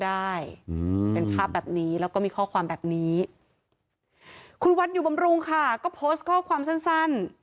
ได้อืมเป็นภาพแบบนี้แล้วก็มีข้อความแบบนี้คุณวัดอยู่บำรุงค่ะก็โพสต์ข้อความสั้นสั้น